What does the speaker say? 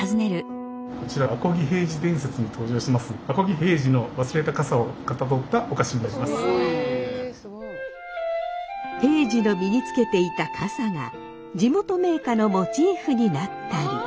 平治の身につけていた笠が地元銘菓のモチーフになったり。